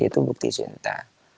itu bukti cinta